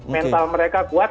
mental mereka kuat